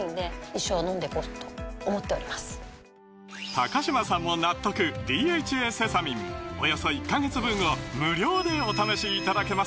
高嶋さんも納得「ＤＨＡセサミン」およそ１カ月分を無料でお試しいただけます